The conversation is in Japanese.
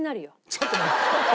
ちょっと待って！